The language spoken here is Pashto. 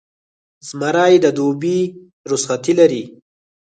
زمری د دوبي رخصتۍ لري.